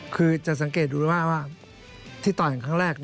คือจะสังเกตดูว่าที่ต่อยกันครั้งแรก